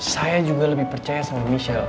saya juga lebih percaya sama michelle